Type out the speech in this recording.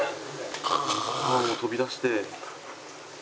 飛び出して。